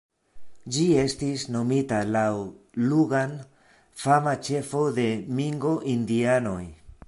Ĝi estis nomita laŭ Logan, fama ĉefo de Mingo-indianoj.